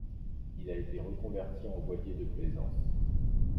Il a été reconverti en voilier de plaisance.